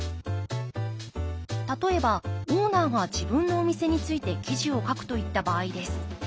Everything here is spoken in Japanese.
例えばオーナーが自分のお店について記事を書くといった場合です。